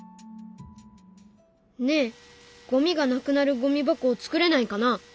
ねえゴミがなくなるゴミ箱を作れないかな。